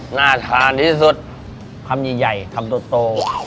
หน้าทานที่สุดคำใหญ่คำโต